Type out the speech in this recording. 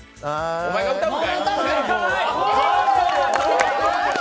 お前が歌うんかい！